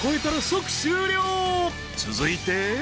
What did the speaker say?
［続いて］